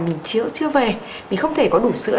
mình chưa về mình không thể có đủ sữa